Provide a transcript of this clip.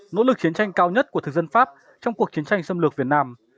nỗ lực chiến tranh cao nhất của thực dân pháp trong cuộc chiến tranh xâm lược việt nam